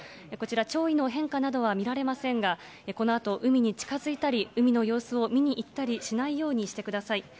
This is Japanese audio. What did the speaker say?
こちら潮位の変化などは見られませんが、このあと、海に近づいたり、海の様子を見にいったりしないようにしてください。